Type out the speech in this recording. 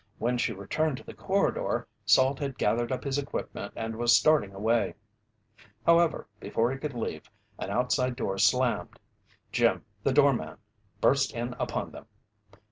When she returned to the corridor, Salt had gathered up his equipment and was starting away. However, before he could leave, an outside door slammed. Jim, the doorman, burst in upon them.